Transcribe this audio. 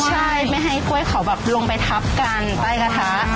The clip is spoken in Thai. ใช่ไม่ให้กล้วยเขาแบบลงไปทับกันใต้กระทะ